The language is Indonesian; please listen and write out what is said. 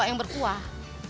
saya yang berkuah